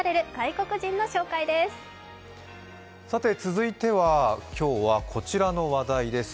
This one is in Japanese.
続いては、今日はこちらの話題です